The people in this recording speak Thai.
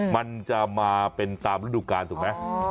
มันจะมาเป็นตามฤดูกาลถูกไหม